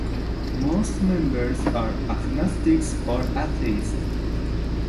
Most members are agnostics or atheists.